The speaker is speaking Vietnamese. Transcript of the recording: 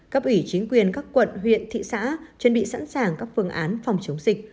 cấp ủy chính quyền các quận huyện thị xã chuẩn bị sẵn sàng các phương án phòng chống dịch